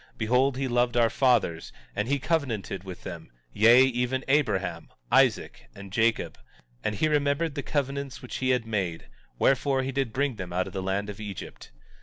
Behold, he loved our fathers, and he covenanted with them, yea, even Abraham, Isaac, and Jacob; and he remembered the covenants which he had made; wherefore, he did bring them out of the land of Egypt.